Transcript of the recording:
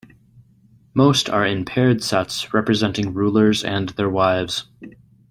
Most are in paired sets representing rulers and their wives.